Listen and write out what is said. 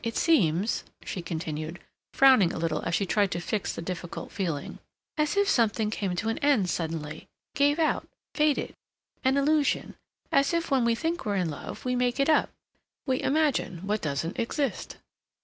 It seems," she continued, frowning a little as she tried to fix the difficult feeling, "as if something came to an end suddenly—gave out—faded—an illusion—as if when we think we're in love we make it up—we imagine what doesn't exist.